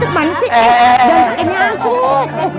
jangan pakai nyangkut